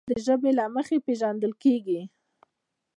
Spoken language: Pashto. افغانستان د ژبې له مخې پېژندل کېږي.